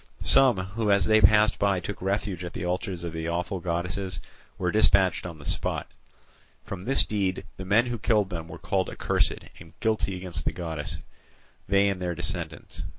Some who as they passed by took refuge at the altars of the awful goddesses were dispatched on the spot. From this deed the men who killed them were called accursed and guilty against the goddess, they and their descendants.